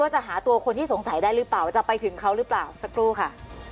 จะหาตัวคนที่สงสัยได้หรือเปล่าจะไปถึงเขาหรือเปล่าสักครู่ค่ะ